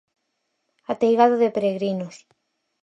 Ateigado de peregrinos.